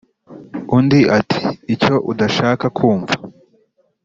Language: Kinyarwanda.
Undi ati"icyo udashaka kumva"